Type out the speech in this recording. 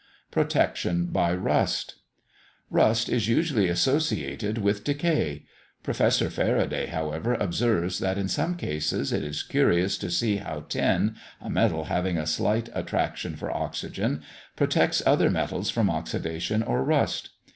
PROTECTION BY RUST. Rust is usually associated with decay. Professor Faraday, however, observes that, in some cases, it is curious to see how tin, a metal having a slight attraction for oxygen, protects other metals from oxidation or rust.